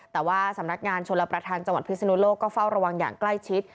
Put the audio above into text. แต่ว่าสำนักงานชนรับประทานจังหวัดพิศนุโลกก็เฝ้าระวังอย่างใกล้ชิด